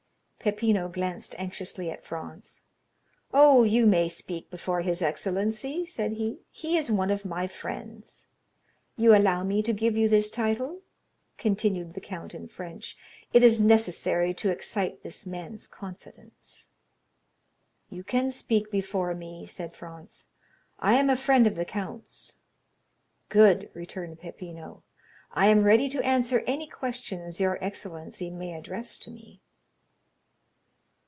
Peppino glanced anxiously at Franz. "Oh, you may speak before his excellency," said he; "he is one of my friends. You allow me to give you this title?" continued the count in French, "it is necessary to excite this man's confidence." "You can speak before me," said Franz; "I am a friend of the count's." "Good!" returned Peppino. "I am ready to answer any questions your excellency may address to me."